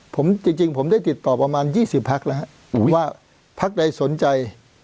ผมจริงผมได้ติดต่อประมาณ๒๐พักแล้วว่าพักใดสนใจ